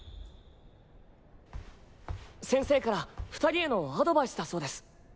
先生から２人へのアドバイスだそうです。